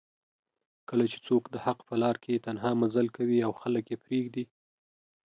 کله چې څوک دحق په لار کې تنها مزل کوي او خلک یې پریږدي